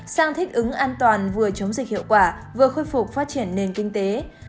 sang thích ứng an toàn vừa chống dịch hiệu quả vừa khôi phục phát triển nền kinh tế